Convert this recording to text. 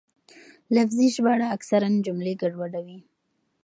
لفظي ژباړه اکثراً جملې ګډوډوي.